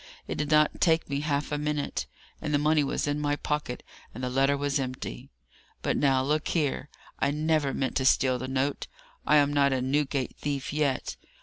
It did not take me half a minute; and the money was in my pocket, and the letter was empty! But now, look here! I never meant to steal the note. I am not a Newgate thief, yet.